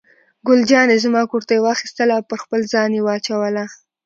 ګل جانې زما کورتۍ واخیستله او پر خپل ځان یې واچوله.